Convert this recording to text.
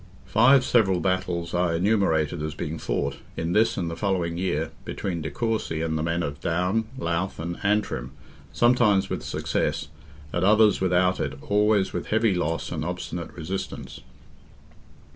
Five several battles are enumerated as being fought, in this and the following year, between de Courcy and the men of Down, Louth, and Antrim, sometimes with success, at others without it, always with heavy loss and obstinate resistance.